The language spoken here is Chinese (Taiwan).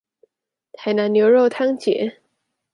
台南牛肉湯節